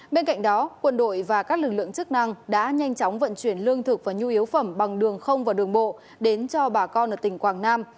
bên cạnh đó quân đội và các lực lượng chức năng đã nhanh chóng vận chuyển lương thực và nhu yếu phẩm bằng đường không và đường bộ đến cho bà con ở tỉnh quảng nam